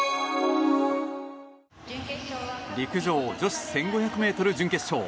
陸上女子１５００ｍ準決勝。